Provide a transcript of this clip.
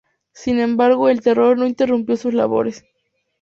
Sin embargo, el Terror no interrumpió sus labores.